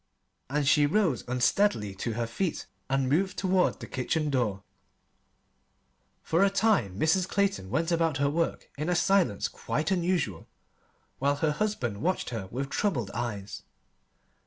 And she rose unsteadily to her feet and moved toward the kitchen door. For a time Mrs. Clayton went about her work in a silence quite unusual, while her husband watched her with troubled eyes.